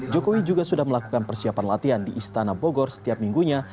jokowi juga sudah melakukan persiapan latihan di istana bogor setiap minggunya